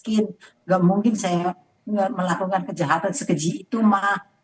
ini mungkin lagi ujian dari allah